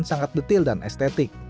diorama di iwan sangat detail dan estetik